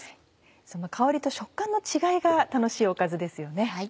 その香りと食感の違いが楽しいおかずですよね。